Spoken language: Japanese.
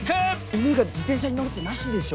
犬が自転車に乗るってなしでしょ。